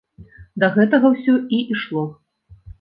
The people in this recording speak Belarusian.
Да гэтага ўсё і ішло!